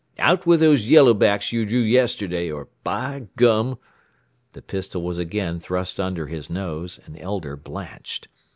Out with those yellowbacks you drew yesterday, or by gum " The pistol was again thrust under his nose, and Elder blanched.